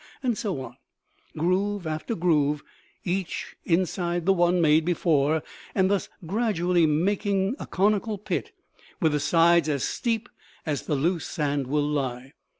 And so on, groove after groove, each inside the one made before, thus gradually making a conical pit with the sides as steep as the loose sand will lie.